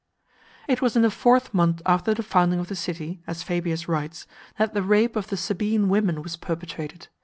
XIV. It was in the fourth month after the founding of the city, as Fabius writes, that the rape of the Sabine women was perpetrated.!